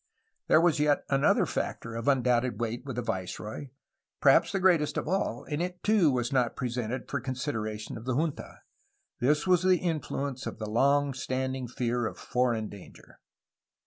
There was yet another factor of undoubted weight with the viceroy, — ^perhaps the greatest of all, — ^and it too was not presented for consideration of the junta. This was the influence of the long standing fear of foreign danger.